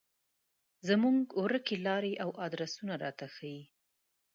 زموږ ورکې لارې او ادرسونه راته ښيي.